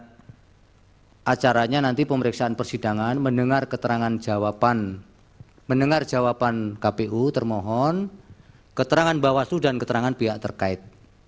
dan acaranya nanti pemeriksaan persidangan mendengar keterangan jawaban kpu termohon keterangan bawah suhu dan keterangan pihak terkait